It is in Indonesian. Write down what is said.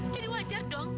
jadi wajar dong